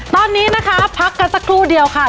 ตอนนี้นะคะพักกันสักครู่เดียวค่ะ